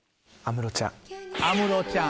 安室ちゃん。